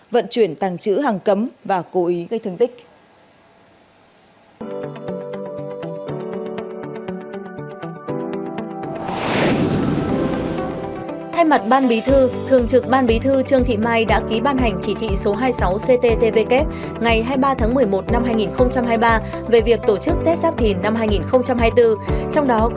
vận chuyển tảng chữ hàng cấm và cố ý gây thương tích